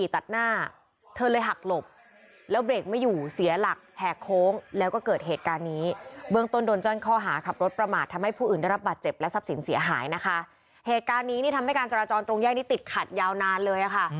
ตอนนี้ทำให้การจราจรตรงแย่งนี้ติดขัดยาวนานเลยค่ะ